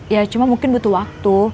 ya cuma mungkin butuh waktu